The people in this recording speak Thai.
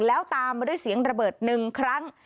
แล้วตามมาด้วยเสียงระเบิด๑ครั้ง